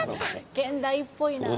現代っぽいなあ。